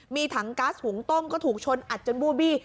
มีถังก๊าซหุงต้มก็ถูกชนอัดจนบูบี้